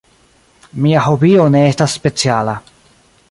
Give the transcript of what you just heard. Mia hobio ne estas speciala.